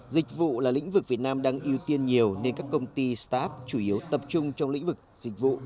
dịch vụ là lĩnh vực việt nam đang ưu tiên nhiều nên các công ty start up chủ yếu tập trung trong lĩnh vực dịch vụ